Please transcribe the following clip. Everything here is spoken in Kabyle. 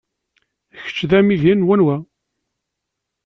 Kečč d amidi n wanwa?